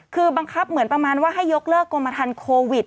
คือบังคับเหมือนประมาณว่าให้ยกเลิกกรมทันโควิด